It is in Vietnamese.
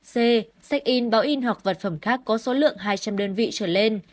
c sách in báo in hoặc vật phẩm khác có số lượng hai trăm linh đơn vị trở lên